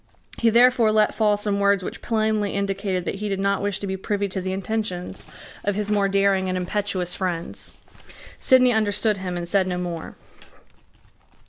He therefore let fall some words which plainly indicated that he did not wish to be privy to the intentions of his more daring and impetuous friends. Sidney understood him and said no more.